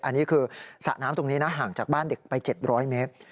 อันนี้คือสระน้ำตรงนี้นะห่างจากบ้านเด็กไป๗๐๐เมตร